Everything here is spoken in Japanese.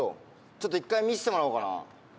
ちょっと一回見してもらおうかな。